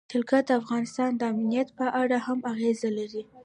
جلګه د افغانستان د امنیت په اړه هم اغېز لري.